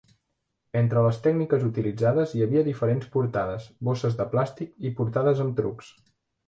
Entre les tècniques utilitzades hi havia diferents portades, bosses de plàstic i portades amb trucs.